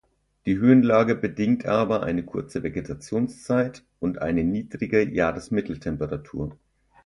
Die Höhenlage bedingt aber eine kurze Vegetationszeit und eine niedrige Jahresmitteltemperatur.